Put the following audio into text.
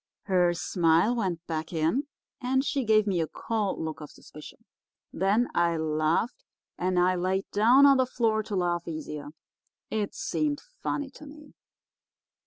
Her smile went back in and she gave me a cold look of suspicion. Then I laughed, and laid down on the floor to laugh easier. It seemed funny to me.